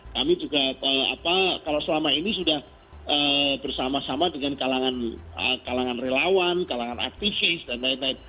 kami juga kalau selama ini sudah bersama sama dengan kalangan relawan kalangan aktivis dan lain lain